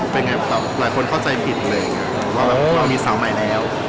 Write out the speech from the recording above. เป็นไงครับหลายคนเข้าใจผิดเลยว่ามีสาวใหม่แล้ว